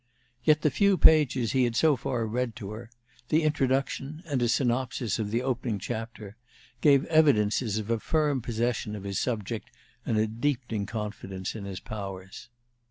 Yet the few pages he had so far read to her the introduction, and a synopsis of the opening chapter gave evidences of a firm possession of his subject, and a deepening confidence in his powers.